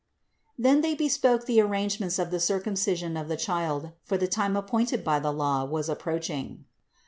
289. Then they bespoke the arrangements for the cir cumcision of the child, for the time appointed by the 234 CITY OF GOD law was approaching.